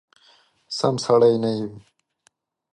سم سړی نه یې !